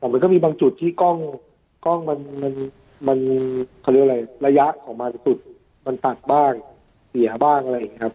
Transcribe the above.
มันก็มีบางจุดที่กล้องมันเขาเรียกอะไรระยะของมันสุดมันตัดบ้างเสียบ้างอะไรอย่างนี้ครับ